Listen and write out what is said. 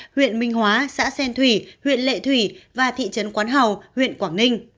huyện minh hóa xã xen thủy huyện lệ thủy và thị trấn quán hào huyện quảng ninh